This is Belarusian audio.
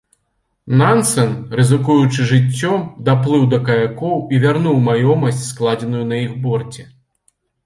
Нансен, рызыкуючы жыццём, даплыў да каякоў і вярнуў маёмасць, складзеную на іх борце.